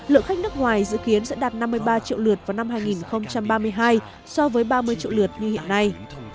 lượng khách nước ngoài dự kiến sẽ đạt năm mươi ba triệu lượt vào năm hai nghìn ba mươi hai so với ba mươi triệu lượt như hiện nay